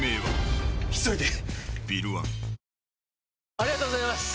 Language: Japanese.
ありがとうございます！